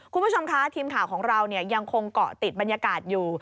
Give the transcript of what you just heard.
คุณผู้ชมคะทีมข่าวของเรายังคงเกาะติดบรรยากาศอยู่